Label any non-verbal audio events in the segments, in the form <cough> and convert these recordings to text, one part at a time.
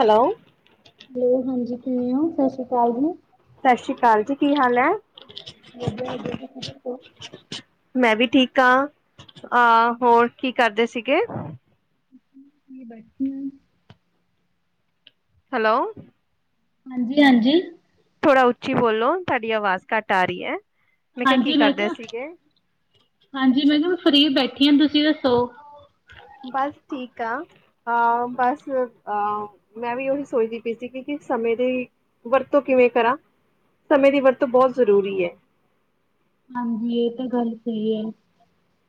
Hello, hello ਹਾਂਜੀ ਕਿਵੇਂ ਓ ਸਤਿ ਸ਼੍ਰੀ ਅਕਾਲ ਜੀ। ਸਤਿ ਸ੍ਰੀ ਅਕਾਲ ਜੀ ਕੀ ਹਾਲ ਐ। ਵਧੀਆ ਵਧੀਆ ਤੁਸੀਂ ਦੱਸੋ? ਮੈਂ ਵੀ ਠੀਕ ਆ ਅ ਹੋਰ ਕੀ ਕਰਦੇ ਸੀਗੇ। ਬੈਠੇ ਆ। ਹੈਲੋ, ਹਾਂਜੀ ਹਾਂਜੀ। ਥੋੜਾ ਉੱਚੀ ਬੋਲੋ ਤੁਹਾਡੀ ਆਵਾਜ਼ ਘੱਟ ਆ ਰੀ ਐ। ਹਾਂਜੀ ਮੈਂ ਕਿਹਾ ਹਾਂਜੀ ਮੈਂ ਕਿਹਾ ਫਰੀ ਬੈਠੀ ਆ ਤੁਸੀਂ ਦੱਸੋ? ਬਸ ਠੀਕ ਆ। ਅਹ ਬਸ ਅਹ ਮੈਂ ਵੀ ਉਹੀ ਸੋਚਦੀ ਪਈ ਸੀ ਕੀ ਕੀ ਸਮੇਂ ਦੀ। ਵਰਤੋਂ ਕਿਵੇਂ ਕਰਾਂ ਸਮੇਂ ਦੀ ਵਰਤੋਂ ਬਹੁਤ ਜ਼ਰੂਰੀ ਐ। ਹਾਂਜੀ ਏ ਤਾਂ ਗੱਲ ਸਈ ਐ।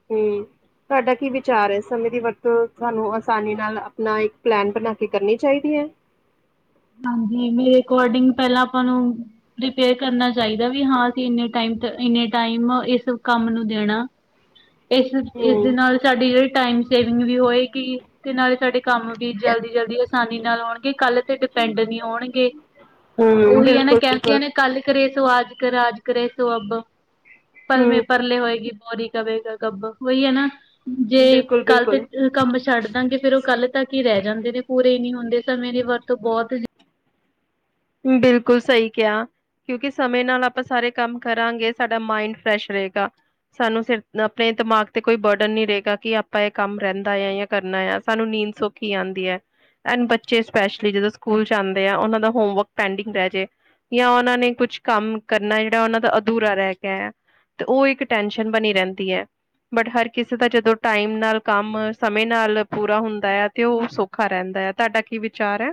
ਤੇ। ਤੁਹਾਡਾ ਕੀ ਵਿਚਾਰ ਐ ਸਮੇ ਦੀ ਵਰਤੋਂ ਸਾਨੂੰ ਆਸਾਨੀ ਨਾਲ ਆਪਣਾ ਇੱਕ ਪਲੈਨ ਬਣਾ ਕੇ ਕਰਨੀ ਚਾਹੀਦੀ ਐ। ਹਾਂਜੀ ਮੇਰੀ ਅਕੋਰਡਿੰਗ ਪਹਿਲਾਂ ਆਪਾਂ ਨੂੰ <unintelligible> ਕਰਨਾ ਚਾਹੀਦਾ ਵੀ ਹਾਂ ਅਸੀਂ ਇਨੇ ਟੈਮ ਇੰਨੇ ਟਾਈਮ ਇਸ ਕੰਮ ਨੂੰ ਦੇਣਾ। <inaudible> ਇਸ ਹਮ ਇਸਦੇ ਨਾਲ ਸਾਡੀ ਜਿਹੜੀ ਟਾਈਮ ਸੇਵਿੰਗ ਵੀ ਹੋਏਗੀ ਤੇ ਨਾਲੇ ਸਾਡੇ ਕੰਮ ਵੀ ਜਲਦੀ ਜਲਦੀ ਆਸਾਨੀ ਨਾਲ ਹੋਣਗੇ ਕੱਲ ਤੇ ਡਿਪੈਂਡ ਨੀ ਹੋਣਗੇ। ਹਮ ਉਹੀ ਐ ਨਾ ਬਿਲਕੁਲ ਕਹਿੰਦੇ ਬਿਲਕੁਲ ਨੇ ਕੱਲ ਕਰੇ ਸੋ ਆਜ ਕਰੇ ਆਜ ਕਰੇ ਸੋ ਅਬ। ਪਲਵੇਂ ਹਮ ਪਰਲੇ ਹੋਏਗੀ ਬੋਰੀ ਕਵੇਗਾ ਕੱਬ ਉਹੀ ਐ ਨਾ ਜੇ ਬਿਲਕੁਲ ਕੱਲ ਤੇ ਬਿਲਕੁਲ ਕੰਮ ਛੱਡ ਦਾਂਗੇ ਫੇਰ ਉਹ ਕੱਲ ਤੱਕ ਹੀ ਰਹਿ ਜਾਂਦੇ ਨੇ ਪੂਰੇ ਨੀ ਹੁੰਦੇ ਸਮੇਂ ਦੇ। ਤ <unintelligible> ਬਿਲਕੁਲ ਸਈ ਕਿਆ। ਕਿਉਂਕਿ ਸਮੇਂ ਨਾਲ ਆਪਾਂ ਸਾਰੇ ਕੰਮ ਕਰਾਂਗੇ ਸਾਡਾ ਮਾਇੰਡ ਫਰੈਸ਼ ਰਹੇਗਾ। ਸਾਨੂੰ ਸਿਰ ਆਪਣੇ ਦਿਮਾਗ ਤੇ ਕੋਈ ਬਰਡਨ ਨਹੀਂ ਰਹੇਗਾ ਕਿ ਆਪਾਂ ਇਹ ਕੰਮ ਰਹਿੰਦਾ ਆ ਜਾਂ ਕਰਨਾ ਆ ਸਾਨੂੰ ਨੀਂਦ ਸੋ ਖੀ ਆਂਦੀ ਐ ਐਂਡ ਬੱਚੇ ਸਪੈਸ਼ਲੀ ਜਦੋਂ ਸਕੂਲ ਚ ਆਂਦੇ ਆ ਉਹਨਾਂ ਦਾ ਹੋਮਵਰਕ ਪੈਂਡਿੰਗ ਰਹਿ ਜੇ ਜਾਂ ਉਹਨਾਂ ਨੇ ਕੁਛ ਕੰਮ ਕਰਨਾ ਜਿਹੜਾ ਉਹਨਾਂ ਦਾ ਅਧੂਰਾ ਰਹਿ ਗਿਆ ਆ। ਤੇ ਓ ਇੱਕ ਟੈਸ਼ਨ ਬਣੀ ਰਹਿੰਦੀ ਐ। ਬਟ ਹਰ ਕਿਸੇ ਦਾ ਜਦੋਂ ਟਾਈਮ ਨਾਲ ਕੰਮ ਸਮੇਂ ਨਾਲ ਪੂਰਾ ਹੁੰਦਾ ਆ ਤੇ ਉਹ ਸੁੱ, ਖਾ ਰਹਿੰਦਾ ਐ ਤੁਹਾਡਾ ਕੀ ਵਿਚਾਰ ਐ?